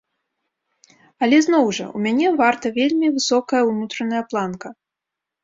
Але зноў жа, у мяне варта вельмі высокая ўнутраная планка.